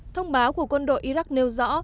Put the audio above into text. thông báo của quân đội iraq nêu rõ